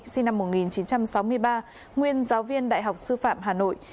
sinh năm một nghìn chín trăm sáu mươi ba nguyên giáo viên đại học sư phạm hà nội